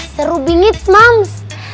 seru bingits mams